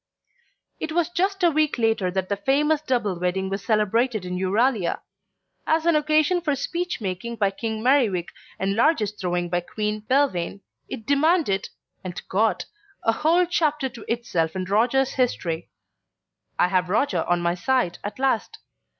It was just a week later that the famous double wedding was celebrated in Euralia. As an occasion for speech making by King Merriwig and largesse throwing by Queen Belvane it demanded and (got) a whole chapter to itself in Roger's History. I have Roger on my side at last.